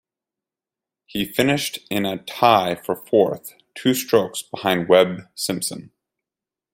He finished in a tie for fourth, two strokes behind Webb Simpson.